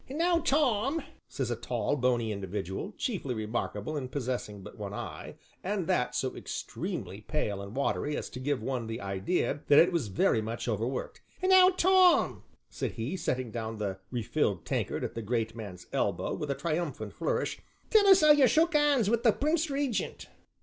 "Now, Tom," said a tall, bony individual, chiefly remarkable in possessing but one eye, and that so extremely pale and watery as to give one the idea that it was very much overworked, "now, Tom," said he, setting down the refilled tankard at the great man's elbow with a triumphant flourish, "tell us 'ow you shook 'ands wi' the Prince Regent."